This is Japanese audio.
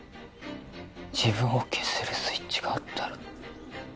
自分を消せるスイッチがあったら